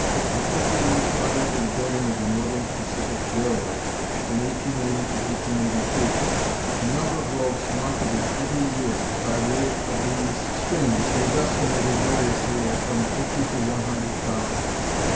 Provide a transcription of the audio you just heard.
For fifty years prior to the building of the Northern Pacific Railway in 1880 '82, the number of robes marketed every year by way of these streams was estimated variously at from fifty to one hundred thousand.